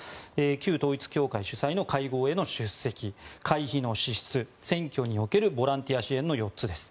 旧統一教会主催の会合への出席会費の支出選挙におけるボランティア支援の４つです。